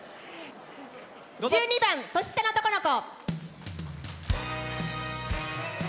１２番「年下の男の子」。